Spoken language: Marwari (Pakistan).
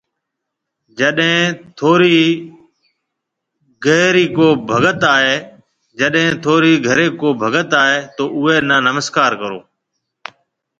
جڏي ٿوريَ گهري ڪو ڀگت آئي تو اُوئي نَي نمسڪار ڪرو۔